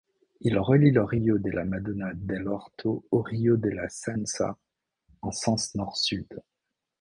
Il relie le rio della Madonna dell'Orto au rio della Sensa en sens nord-sud.